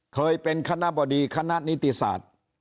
เคยเป็นคณะบดีคณะนิติศาสตร์